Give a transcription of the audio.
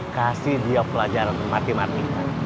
kasih dia pelajaran matematika